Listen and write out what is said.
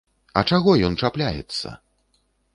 А чаго ён чапляецца?